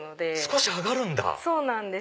少し上がるんだ。